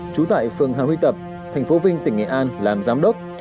chú tại phường hà huy tập tp vinh tỉnh nghệ an làm giám đốc